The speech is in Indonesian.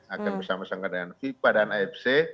akan bersama sama dengan fifa dan afc